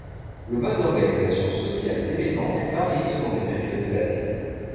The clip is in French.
Le mode d'organisation sociale des mésanges varie selon les périodes de l'année.